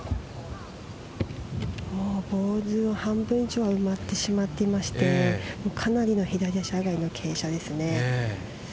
ボール半分以上埋まってしまっていましてかなりの左足上がりの傾斜ですね。